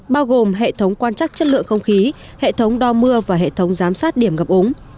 bao gồm hệ thống quan trắc chất lượng không khí hệ thống đo mưa và hệ thống giám sát điểm ngập ống